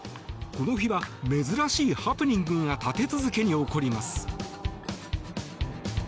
この日は、珍しいハプニングが立て続けに起こります。